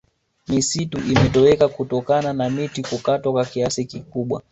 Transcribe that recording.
misitu imetoweka kutokana na miti kukatwa kwa kiasi kikubwa